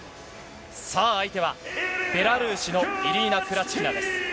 相手は、ベラルーシのイリーナ・クラチキナです。